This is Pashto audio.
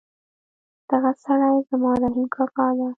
دغه سړی زما رحیم کاکا ده